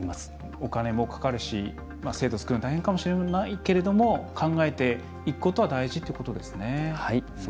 お金もかかるし制度を作るのは大変かもしれないけれども考えていくことは大事ってことですね。